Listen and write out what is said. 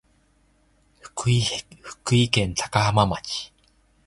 福井県高浜町